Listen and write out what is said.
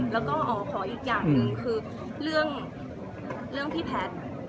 แล้วก็อ๋อขออีกอย่างหนึ่งคือเรื่องพี่แพทย์